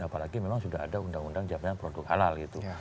apalagi memang sudah ada undang undang jaminan produk halal gitu